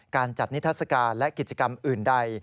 การจัดนิทัศกาลและกิจกรรมอื่นใด